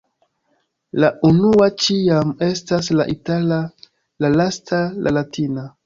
La unua ĉiam estas la itala, la lasta la latina.